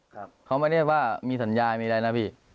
ครับเขามาเรียกว่ามีสัญญาณมีอะไรนะพี่